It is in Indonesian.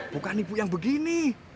bukan ibu yang begini